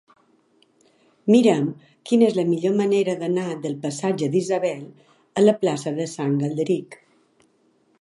Mira'm quina és la millor manera d'anar del passatge d'Isabel a la plaça de Sant Galderic.